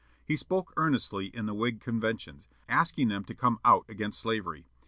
He spoke earnestly in the Whig conventions, asking them to come out against slavery.